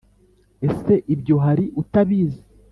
ese ibyo hari utabizi’